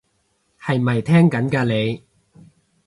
係咪聽緊㗎你？